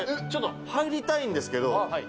ちょっと入りたいんですけれども。